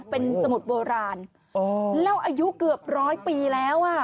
เป็นสมุดโบราณแล้วอายุเกือบร้อยปีแล้วอ่ะ